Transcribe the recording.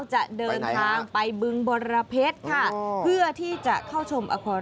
จะเดินทางไปบึงบรพเลสค่ะเพื่อที่จะเข้าชมหาวอิคคอเลียม